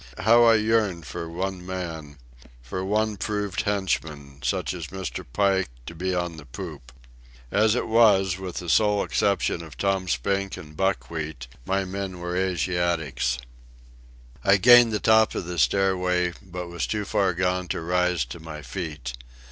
How I yearned for one man, for one proved henchman, such as Mr. Pike, to be on the poop! As it was, with the sole exception of Tom Spink and Buckwheat, my men were Asiatics. I gained the top of the stairway, but was too far gone to rise to my feet.